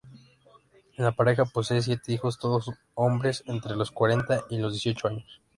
La pareja posee siete hijos, todos hombres, entre los cuarenta y los dieciocho años.